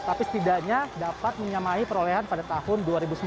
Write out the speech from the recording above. tapi setidaknya dapat menyamai perolehan pada tahun dua ribu sembilan belas